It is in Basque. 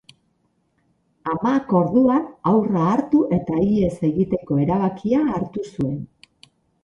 Amak, orduan, haurra hartu eta ihes egiteko erabakia hartu zuen.